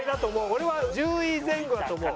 俺は１０位前後だと思う。